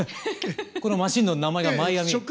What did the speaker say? このマシーンの名前がマイアミ。